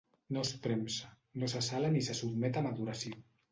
No es premsa, no se sala ni se sotmet a maduració.